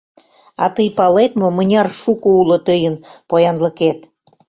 А тый палет мо, мыняр шуко уло тыйын поянлыкет?!